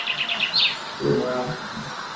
为了比较高度也列入现存的结构物。